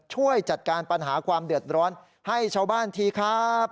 ช่วยจัดการปัญหาความเดือดร้อนให้ชาวบ้านทีครับ